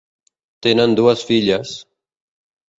Tenen dues filles: